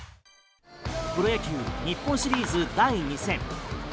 プロ野球日本シリーズ第２戦。